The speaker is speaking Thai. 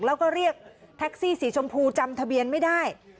แล้วก็เรียกแท็กซี่สีชมพูจำทะเบียนไม่ได้